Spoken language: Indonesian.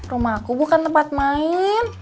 rumah aku bukan tempat main